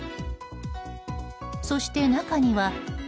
そして中には。